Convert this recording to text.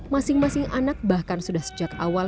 masing masing anak bahkan sudah sejak awal